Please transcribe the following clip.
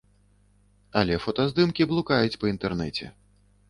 Але фотаздымкі блукаюць па інтэрнэце.